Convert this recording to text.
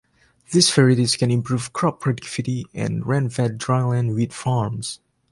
These varieties can improve crop productivity in rain-fed dry-land wheat farms.